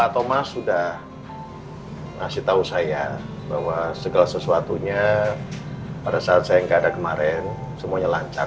thomas sudah ngasih tahu saya bahwa segala sesuatunya pada saat saya nggak ada kemarin semuanya lancar